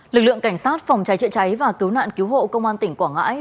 lực lượng cảnh sát phòng cháy chữa cháy và cứu nạn cứu hộ công an tỉnh quảng ngãi